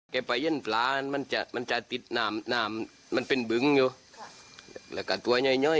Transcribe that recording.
แกไปเย็นปลามันจะมันจะติดหนามหนามันเป็นบึงอยู่ครับ